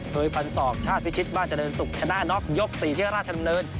เฮยพันธ์ศอกชาติพิชิตบ้านเจริญสุขชนะน็อคยกสี่ที่ราชดำเนิน